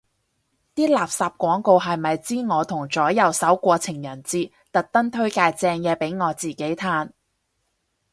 啲垃圾廣告係咪知我同左右手過情人節，特登推介正嘢俾我自己嘆